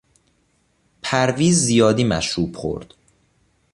پرویز زیادی مشروب خورد.